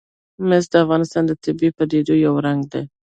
مس د افغانستان د طبیعي پدیدو یو رنګ دی.